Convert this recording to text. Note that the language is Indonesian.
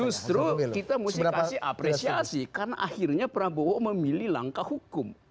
justru kita mesti kasih apresiasi karena akhirnya prabowo memilih langkah hukum